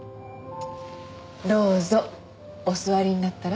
どうぞお座りになったら？